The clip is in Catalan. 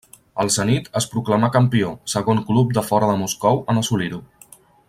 El Zenit es proclamà campió, segon club de fora de Moscou en assolir-ho.